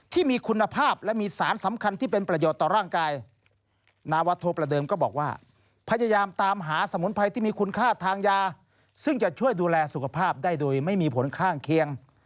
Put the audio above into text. ที่มีคุณภาพและมีสารสำคัญที่เป็นประโยชน์ต่อร่างกาย